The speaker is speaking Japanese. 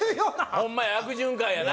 ホンマや悪循環やな